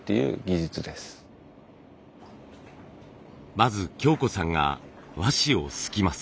まず京子さんが和紙をすきます。